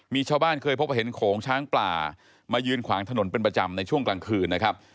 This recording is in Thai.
มีชาวบ้านเคยพบเห็นโขงช้างป่ามายืนขวางถนนเป็นประจำในช่วงกลางคืนนะครับ